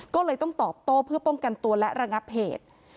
ก็เลยต้องตอบโต้เพื่อป้องกันตัวและระงับเหตุ